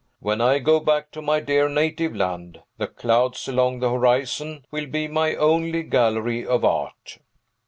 When I go back to my dear native land, the clouds along the horizon will be my only gallery of art!"